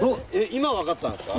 今、分かったんですか？